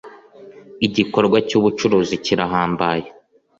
Igikorwa cy ‘ubucuruzi kirahambaye .